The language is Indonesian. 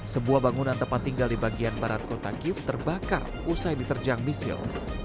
sebuah bangunan tempat tinggal di bagian barat kota kiev terbakar usai diterjang misil